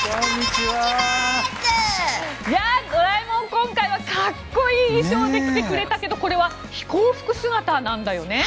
今回は格好いい衣装で来てくれたけどこれは飛行服姿なんだよね？